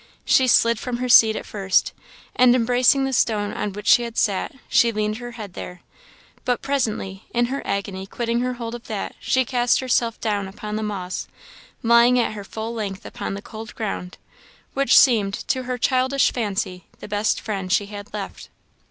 She slid from her seat at first, and, embracing the stone on which she had sat, she leaned her head there; but presently in her agony quitting her hold of that, she cast herself down upon the moss, lying at full length upon the cold ground, which seemed, to her childish fancy the best friend she had left.